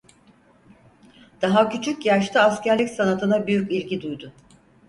Daha küçük yaşta askerlik sanatına büyük ilgi duydu.